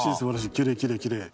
きれいきれいきれい。